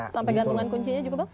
sampai gantungan kuncinya juga bang